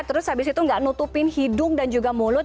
terus habis itu nggak nutupin hidung dan juga mulut